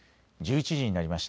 １１時になりました。